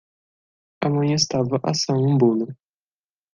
A mãe estava assando um bolo.